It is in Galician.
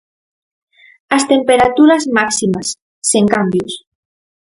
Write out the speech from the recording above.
As temperaturas máximas, sen cambios.